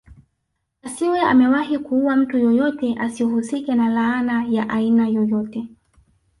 Asiwe amewahi kuua mtu yoyote asihusike na laana ya aina yoyote